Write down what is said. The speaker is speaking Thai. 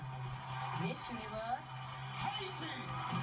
ข้อมูลเข้ามาดูครับ